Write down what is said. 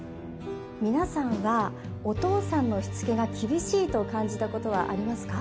皆さんはお父さんの躾が厳しいと感じた事はありますか？